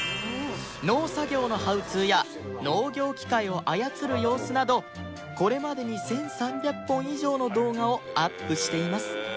農作業のハウツーや農業機械を操る様子などこれまでに１３００本以上の動画をアップしています